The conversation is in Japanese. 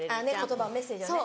言葉をメッセージをね。